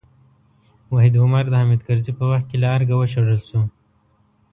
وحید عمر د حامد کرزي په وخت کې له ارګه وشړل شو.